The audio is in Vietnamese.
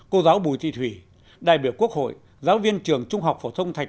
cô giáo bùi thị thủy đại biểu quốc hội giáo viên trường trung học phổ thông thạch